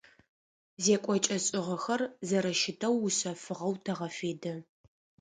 Зекӏокӏэ-шӏыкӏэхэр зэрэщытэу ушъэфыгъэу тэгъэфедэ.